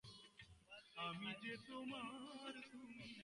Walls played high school football in Pontotoc, Mississippi.